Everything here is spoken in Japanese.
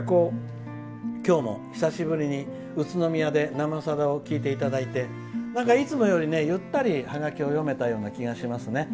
今日も久しぶりに宇都宮で「生さだ」を聞いていただいていつもよりゆったりハガキを読めたような気がしますね。